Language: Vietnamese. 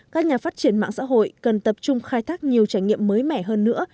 các nhà phát triển mạng xã hội cần tập trung khai thác nhiều trải nghiệm mới mẻ hơn nữa